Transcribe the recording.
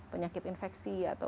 penyakit infeksi atau